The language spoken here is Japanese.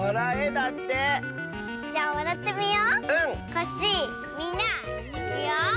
コッシーみんないくよ。